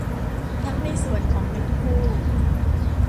ทั้งในส่วนของเงินกู้